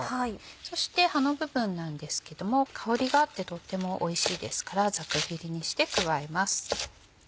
そして葉の部分なんですけども香りがあってとってもおいしいですからざく切りにして加えます。